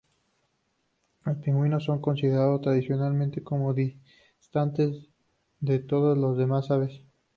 Los pingüinos son considerados tradicionalmente como distantes de todos las demás aves.